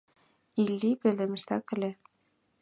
Илли пӧлемыштак ыле.